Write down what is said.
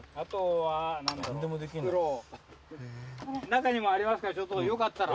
中にもありますからよかったら。